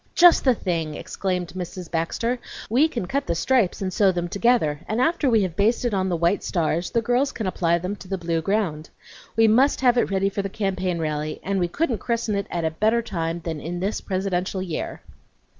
"Just the thing!" exclaimed Mrs. Baxter. "We can cut the stripes and sew them together, and after we have basted on the white stars the girls can apply them to the blue ground. We must have it ready for the campaign rally, and we couldn't christen it at a better time than in this presidential year."